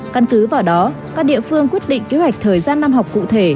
căn cứ vào đó các địa phương quyết định kế hoạch thời gian năm học cụ thể